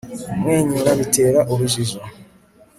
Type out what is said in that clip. kumwenyura bitera urujijo